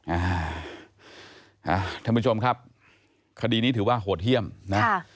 อ่าท่านผู้ชมครับคดีนี้ถือว่าโหดเยี่ยมนะค่ะ